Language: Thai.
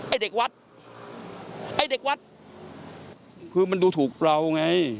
ไอ้เด็กวัดไอ้เด็กวัดคือมันดูถูกเราไง